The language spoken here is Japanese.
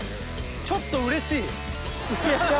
ちょっとうれしいハハハ。